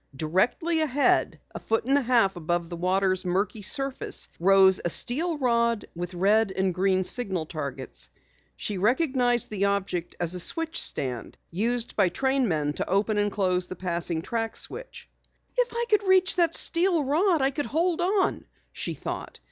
Directly ahead, a foot and a half above the water's murky surface, rose a steel rod with red and green signal targets. She recognized the object as a switch stand, used by trainmen to open and close the passing track switch. "If I could reach that steel rod I could hold on!" she thought.